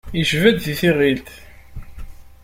Yejba-d di tiɣilt.